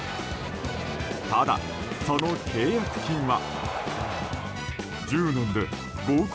ただ、その契約金は。